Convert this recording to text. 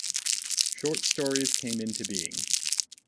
Short stories came into being.